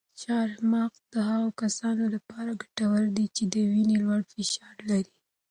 چهارمغز د هغو کسانو لپاره ګټور دي چې د وینې لوړ فشار لري.